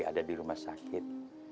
ada di rumah sakit